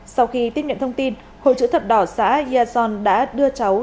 sau khi tiếp nhận thông tin hội chữ thập đỏ xã yà son đã đưa cháu